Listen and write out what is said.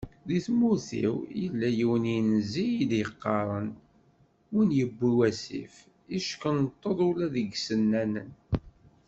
Deg tmurt-iw, yella yiwen n yinzi i d-yeqqaren, win yewwi wasif, yeckunṭud ula deg yisennanen.